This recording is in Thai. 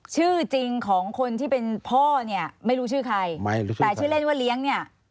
ชื่อจริงของคนที่เป็นพ่อเนี่ยไม่รู้ชื่อใครไม่รู้แต่ชื่อเล่นว่าเลี้ยงเนี่ย